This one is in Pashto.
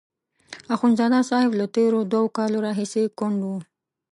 اخندزاده صاحب له تېرو دوو کالو راهیسې کونډ وو.